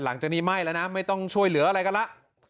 หลังจากนี้ไหม้แล้วนะไม่ต้องช่วยเหลืออะไรกันแล้ว